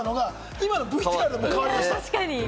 今のＶＴＲで、僕も結構、変わりましたね。